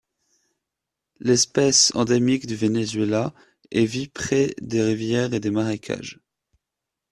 L'espèce endémique du Venezuela et vit près des rivières et des marécages.